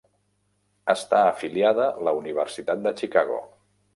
Està afiliada la Universitat de Chicago.